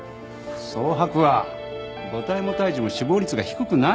早剥は母体も胎児も死亡率が低くないんだ。